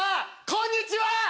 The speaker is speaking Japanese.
こんにちは！